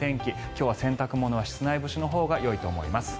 今日は洗濯物は室内干しのほうがいいと思います。